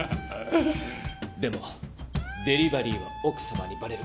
でもデリバリーは奥様にバレる。